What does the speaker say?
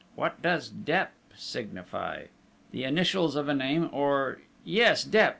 What does Dep. signify? The initials of a name or yes, Dep